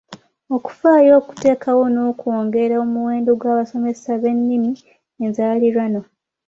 Okufaayo okuteekawo n'okwongera omuwendo gw'abasomesa b'ennimi enzaaliranwa